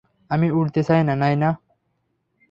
আমি উড়তে চাই, নায়না!